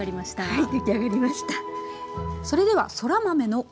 はい。